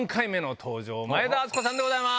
前田敦子さんでございます。